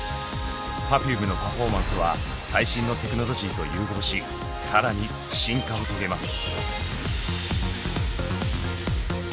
Ｐｅｒｆｕｍｅのパフォーマンスは最新のテクノロジーと融合し更に進化を遂げます。